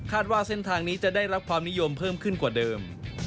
ว่าเส้นทางนี้จะได้รับความนิยมเพิ่มขึ้นกว่าเดิม